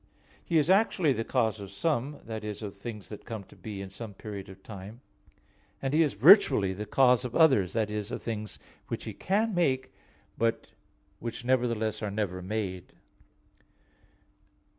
He is actually the cause of some, that is, of things that come to be in some period of time; and He is virtually the cause of others, that is, of things which He can make, and which nevertheless are never made.